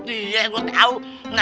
iya gua tahu